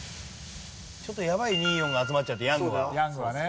ちょっとやばい２４が集まっちゃってヤングが。